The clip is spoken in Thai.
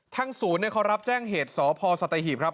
ทั้งศูนย์เนี่ยเขารับแจ้งเหตุสพสตหีบครับ